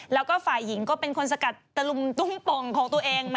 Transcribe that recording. แล้วก็ฝ่ายหญิงก็เป็นคนสกัดตะลุมตุ้มป่องของตัวเอง